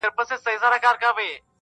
د ښکلو کلماتو او ترکیبونو یادونه کړې